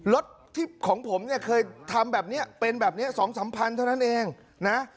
รถที่ของผมเนี่ยเคยทำแบบนี้เป็นแบบนี้๒๓พันเท่านั้นเองนะ